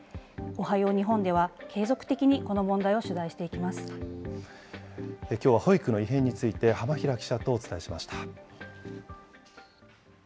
おはよう日本では、継続的に、こきょうは保育の異変について、浜平記者とお伝えしました。